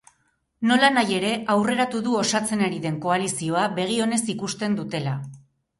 Nolanahi ere, aurreratu du osatzen ari den koalizioa begi onez ikusten dutela.